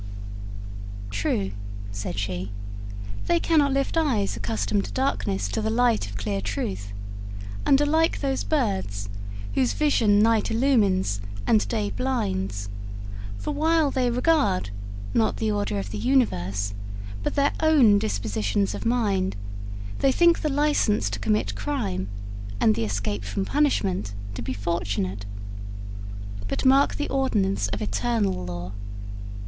'True,' said she; 'they cannot lift eyes accustomed to darkness to the light of clear truth, and are like those birds whose vision night illumines and day blinds; for while they regard, not the order of the universe, but their own dispositions of mind, they think the license to commit crime, and the escape from punishment, to be fortunate. But mark the ordinance of eternal law.